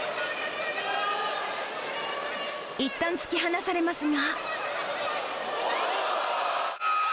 いったん突き放されますが。